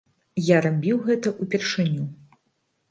Я рабіў гэта ўпершыню.